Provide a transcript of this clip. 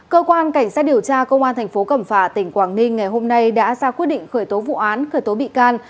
cơ quan cảnh sát điều tra công an thành phố cẩm phả tỉnh quảng ninh ngày hôm nay đã ra quyết định khởi tố vụ án khởi tố bị can